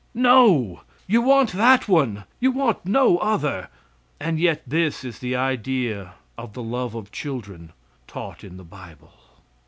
No, you want that one; you want no other, and yet this is the idea of the love of children taught in the bible.